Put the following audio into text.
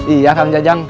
iya kang jajang